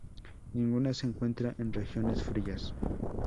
Ninguna se encuentra en regiones frías.